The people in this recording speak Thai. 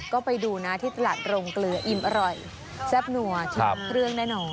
ก็ไปดูนะที่ตลาดโรงเกลืออิ่มอร่อยแซ่บนัวทุกเครื่องแน่นอน